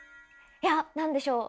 いや何でしょう？